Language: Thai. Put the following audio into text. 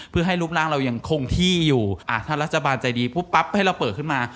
เพื่อให้รูปร่างเรายังคงที่อยู่ถ้ารัฐบาลใจดีปุ๊บปั๊บให้เราเปิดขึ้นมา